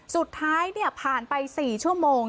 สุดท้ายผ่านไป๔ชั่วโมง